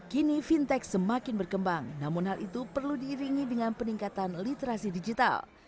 kini fintech semakin berkembang namun hal itu perlu diiringi dengan peningkatan literasi digital